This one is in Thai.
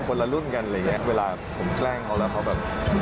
คนละรุ่นกันเวลาผมแกล้งเขาแล้วเขาแบบ